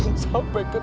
jatuh sampai ketemu